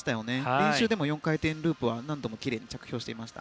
練習でも４回転ループは何度もきれいに着氷していました。